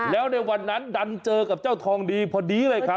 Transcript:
แล้วในวันนั้นดันเจอกับเจ้าทองดีพอดีเลยครับ